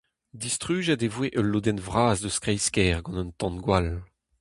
Distrujet e voe ul lodenn vras eus kreiz-kêr gant un tan-gwall.